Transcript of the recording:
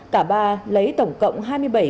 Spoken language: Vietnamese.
cả ba lấy tổng cộng hai mươi bảy bệnh